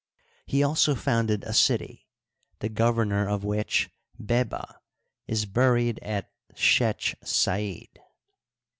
He also founded a city,, the gov ernor of which, Beba, is buried at Shech Said.